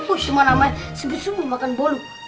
wih semua namanya sebesu mau makan bolu